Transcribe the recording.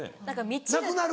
「なくなる」？